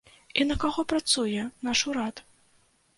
І на каго працуе наш урад?